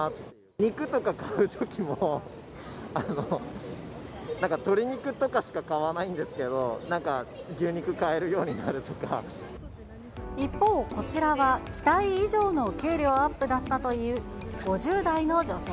肉とか買うときも、なんか鶏肉とかしか買わないんですけど、なんか牛肉買えるように一方、こちらは期待以上の給料アップだという５０代の女性。